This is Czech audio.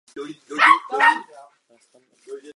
S fotoaparátem procestoval Evropou.